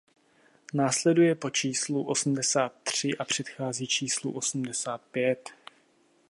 Následuje po číslu osmdesát tři a předchází číslu osmdesát pět.